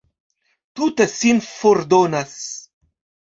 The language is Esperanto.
Tute sin fordonas!